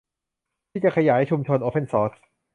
ที่จะขยายชุมชนโอเพ่นซอร์ส